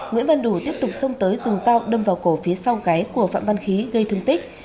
nguyễn văn đủ tiếp tục xông tới dùng dao đâm vào cổ phía sau gáy của phạm văn khí gây thương tích